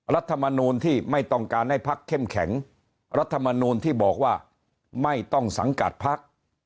รัฐมนูลที่ไม่ต้องการให้พักเข้มแข็งรัฐมนูลที่บอกว่าไม่ต้องสังกัดพัก